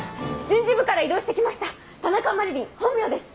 人事部から異動して来ました田中麻理鈴本名です。